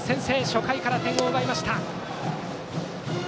初回から点を奪いました。